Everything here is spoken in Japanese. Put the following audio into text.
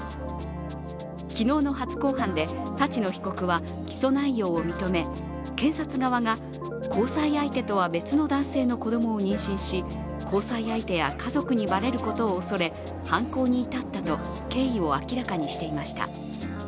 昨日の初公判で、立野被告は起訴内容を認め検察側が交際相手とは別の男性の子供を妊娠し交際相手や家族にバレることを恐れ、犯行に至ったと経緯を明らかにしていました。